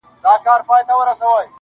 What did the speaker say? • حیرت واخیستی د خدای و هسي کړو ته -